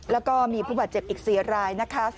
แล้วก็มีผู้บาดเจ็บอีก๔รายนะคะ